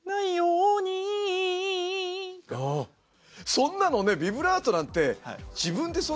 そんなのねビブラートなんて自分でそんな。